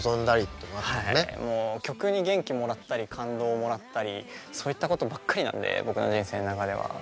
もう曲に元気もらったり感動をもらったりそういったことばっかりなんで僕の人生の中では。